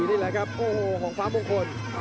โอ้โหไม่พลาดกับธนาคมโด้แดงเขาสร้างแบบนี้